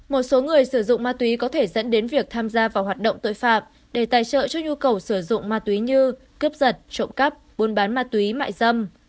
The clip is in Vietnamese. một số người sử dụng ma túy có thể dẫn đến việc tham gia vào hoạt động tội phạm để tài trợ cho nhu cầu sử dụng ma túy như cướp giật trộm cắp buôn bán ma túy mại dâm